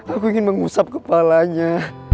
aku ingin mengusap kepalanya